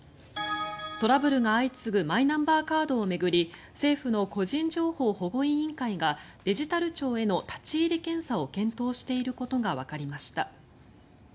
トラブルが相次ぐマイナンバーカードを巡り政府の個人情報保護委員会がデジタル庁への立ち入り検査を検討していることがわかりました。